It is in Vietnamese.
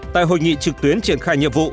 tại hội nghị trực tuyến triển khai nhiệm vụ